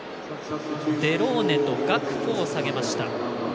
デローネとガクポを下げました。